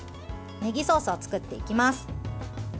ねぎソースを作っていきます。